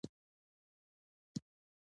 زه او استاد ور ورسېدو.